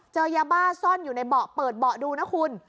เจอยาบ้าซ่อนอยู่ในเบาะเปิดเบาะดูนะคุณ